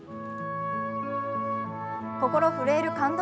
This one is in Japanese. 心震える感動